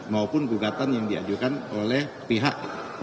maupun bukatan yang diajukan oleh pihak tiga